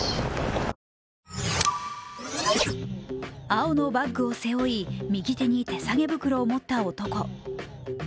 青のバッグを背負い右手に手提げ袋を持った男。